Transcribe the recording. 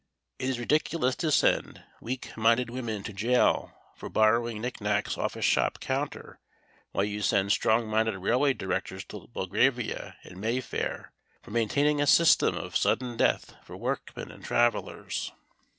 It is ridiculous to send weak minded women to gaol for borrowing knicknacks off a shop counter while you send strong minded railway directors to Belgravia and Mayfair for maintaining a system of sudden death for workmen and travellers.